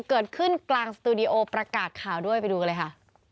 เกิดขึ้นกลางสตูดิโอประกาศข่าวด้วยไปดูกันเลยค่ะ